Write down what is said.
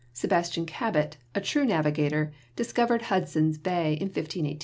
Sebastian Cabot, a true navigator, discovered Hudson's Bay in 15 18.